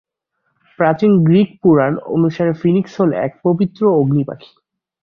প্রাচীন গ্রিক পুরাণ অনুসারে ফিনিক্স হল এক পবিত্র ‘অগ্নিপাখি’।